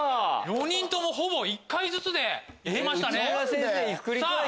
４人ともほぼ１回ずつで行きましたね。